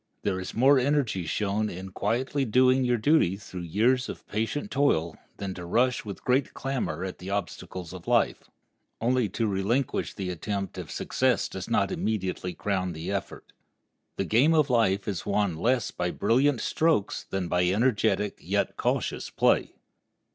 There is more energy shown in quietly doing your duty through years of patient toil than to rush with great clamor at the obstacles of life, only to relinquish the attempt if success does not immediately crown the effort. The game of life is won less by brilliant strokes than by energetic yet cautious play.